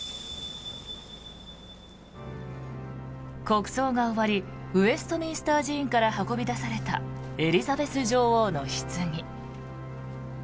国葬が終わりウェストミンスター寺院から運び出されたエリザベス女王のひつぎ。